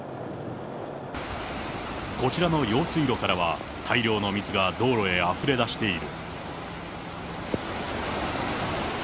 こちらの用水路からは、大量の水が道路へあふれ出している。